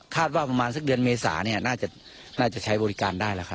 คาดว่าประมาณสักเดือนเมษาน่าจะใช้บริการได้